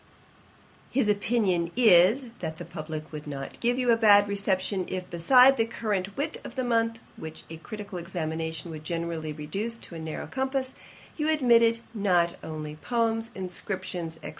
'His opinion is, that the publick would not give you a bad reception, if, beside the current wit of the month, which a critical examination would generally reduce to a narrow compass, you admitted not only poems, inscriptions, &c.